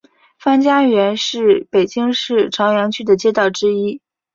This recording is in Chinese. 潘家园是北京市朝阳区的街道之一。